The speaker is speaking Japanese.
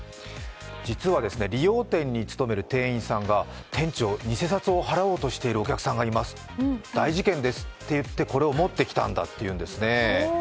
実は理容店に勤める店員さんが店長、偽札を払おうとしているお客さんがいます、大事件ですって言ってこれを持ってきたんだというんですね。